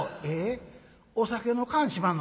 お酒の燗しまんのか。